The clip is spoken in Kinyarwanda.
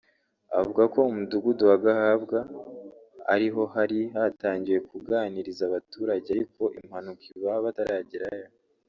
Avuga ko mu Mudugudu wa Gahabwa ari ho hari hatahiwe kuganiriza abaturage ariko impanuka iba bataragerayo